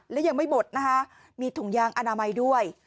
และยังไม่บดนะคะมีถุงยางอนามัยด้วย